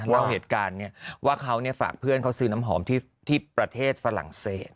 เล่าเหตุการณ์ว่าเขาฝากเพื่อนเขาซื้อน้ำหอมที่ประเทศฝรั่งเศส